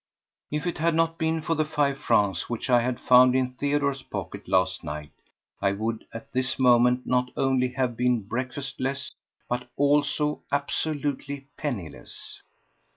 If it had not been for the five francs which I had found in Theodore's pocket last night, I would at this moment not only have been breakfastless, but also absolutely penniless.